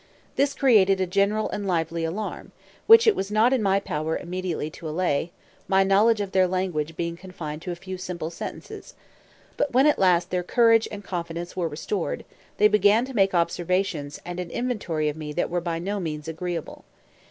This created a general and lively alarm, which it was not in my power immediately to allay, my knowledge of their language being confined to a few simple sentences; but when at last their courage and confidence were restored, they began to take observations and an inventory of me that were by no means agreeable.